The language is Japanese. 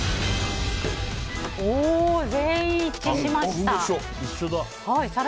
全員一致しました。